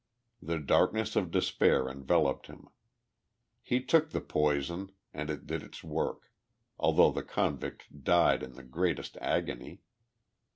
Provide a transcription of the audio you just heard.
The darkness of despair enveloped him. He took the poison and it did its work, although the convict died in the greatest agony.